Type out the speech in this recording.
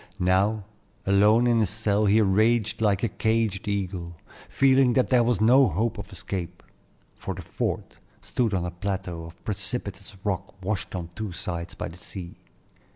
Now, alone in his cell, he raged like a caged eagle, feeling that there was no hope of escape; for the fort stood on a plateau of precipitous rock washed on two sides by the sea.